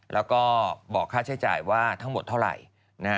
แล้วก็บอกค่าใช้จ่ายว่าทั้งหมดเท่าไหร่